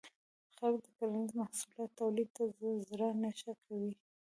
خلک د کرنیزو محصولاتو تولید ته زړه نه ښه کوي.